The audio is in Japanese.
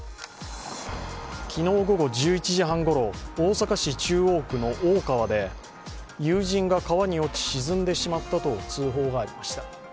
昨日午後１１時半ごろ、大阪市中央区の大川で友人が川に落ち、沈んでしまったと通報がありました。